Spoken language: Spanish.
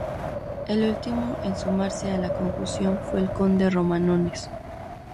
El último en sumarse a la Conjunción fue el conde Romanones.